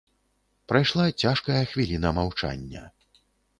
Прайшла цяжкая хвіліна маўчання.